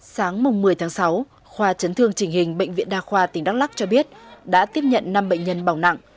sáng một mươi tháng sáu khoa chấn thương trình hình bệnh viện đa khoa tỉnh đắk lắc cho biết đã tiếp nhận năm bệnh nhân bỏng nặng